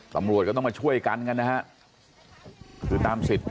ตำรวจก็ต้องมาช่วยกันกันนะฮะคือตามสิทธิ์